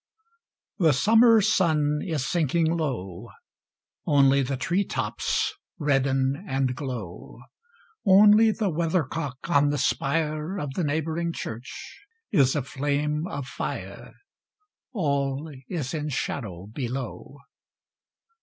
The summer sun is sinking low ; Only the tree tops redden and glow: Only the weathercock on the spire Of the neighboring church is a flame of fire ; All is in shadow below.